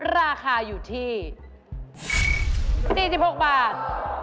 ราคาอยู่ที่๔๖บาท